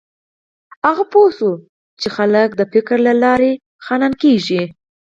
هغه پوه شو چې خلک د فکر له لارې شتمن کېږي.